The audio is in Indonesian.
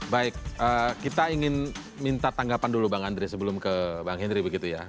baik kita ingin minta tanggapan dulu bung hendry sebelum ke bung hendry begitu ya